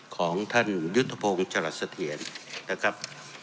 ของท่านยุทธพงศ์จรัสเถียรนะครับ